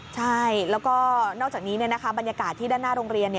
ใช่แล้วก็นอกจากนี้บรรยากาศที่ด้านหน้าโรงเรียน